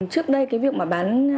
trước đây cái việc mà bán